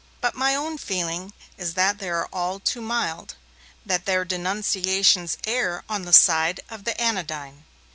But my own feeling is that they are all too mild, that their denunciations err on the side of the anodyne.